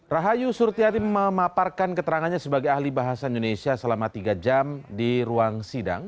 rahayu surtiati memaparkan keterangannya sebagai ahli bahasa indonesia selama tiga jam di ruang sidang